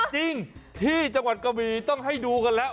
จริงที่จังหวัดกะวีต้องให้ดูกันแล้ว